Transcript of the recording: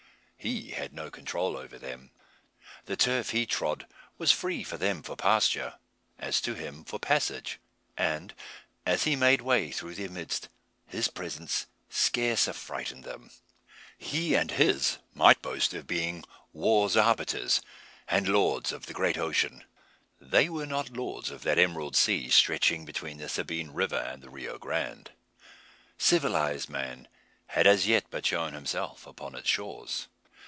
He had no control over them. The turf he trod was free to them for pasture, as to him for passage; and, as he made way through their midst, his presence scarce affrighted them. He and his might boast of being "war's arbiter's," and lords of the great ocean. They were not lords of that emerald sea stretching between the Sabine River and the Rio Grande. Civilised man had as yet but shown himself upon its shores.